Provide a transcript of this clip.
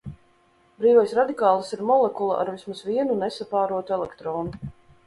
Brīvais radikālis ir molekula ar vismaz vienu nesapārotu elektronu.